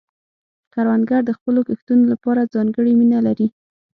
کروندګر د خپلو کښتونو لپاره ځانګړې مینه لري